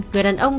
người đàn ông